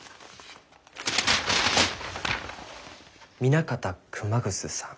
南方熊楠さん。